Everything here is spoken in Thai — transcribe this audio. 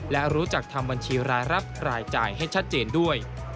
และรู้จักทำบัญชีรายรับรายจ่ายให้ชัดเจนด้วย